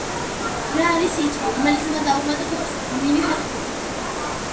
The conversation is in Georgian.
რა არის რიცხვი, რომელიც უნდა დავუმატოთ ორს, რომ მივიღოთ ხუთი?